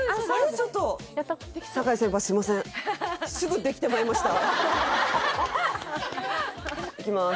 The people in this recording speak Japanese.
ちょっといきます